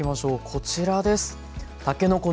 こちらです。